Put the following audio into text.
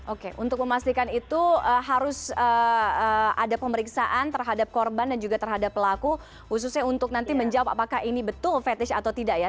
oke untuk memastikan itu harus ada pemeriksaan terhadap korban dan juga terhadap pelaku khususnya untuk nanti menjawab apakah ini betul fetish atau tidak ya